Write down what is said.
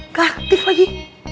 gak aktif lagi